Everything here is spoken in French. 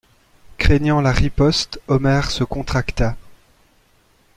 Craignant la riposte, Omer se contracta.